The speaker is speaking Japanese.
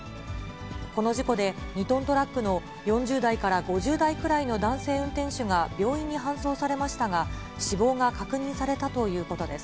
この事故で２トントラックの４０代から５０代くらいの男性運転手が病院に搬送されましたが、死亡が確認されたということです。